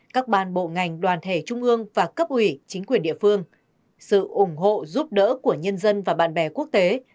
các ban bộ ngành đoàn thể trung ương và cấp ủy chính quyền địa phương sự ủng hộ giúp đỡ của nhân dân và bạn bè quốc tế